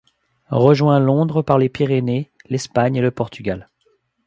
Rejoint Londres par les Pyrénées, l'Espagne et le Portugal.